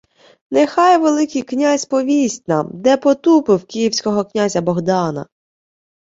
— Нехай Великий князь повість нам, де потупив київського князя Богдана.